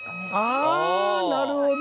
ああなるほど。